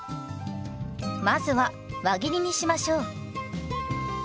まずは輪切りにしましょう。